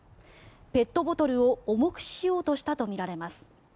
ペットボトルを重くしようとしたとみられます。